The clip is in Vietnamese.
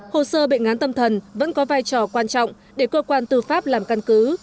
hồ sơ bệnh án tâm thần vẫn có vai trò quan trọng để cơ quan tư pháp làm căn cứ